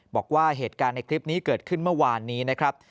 บอกว่าเหตุการณ์ในคลิปนี้เกิดขึ้นเมื่อวานนี้นะครับ